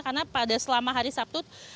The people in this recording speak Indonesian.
karena pada selama hari sabtu